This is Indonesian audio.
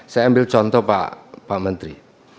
saya ambil contoh pak menteri